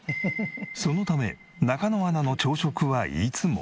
そのため中野アナの朝食はいつも。